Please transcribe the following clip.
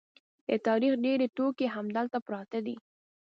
د تاریخ ډېر توکي همدلته پراته دي.